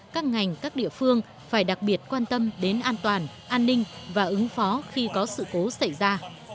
các ngành các địa phương phải đặc biệt quan tâm đến an toàn an ninh và ứng phó khi có sự cố xảy ra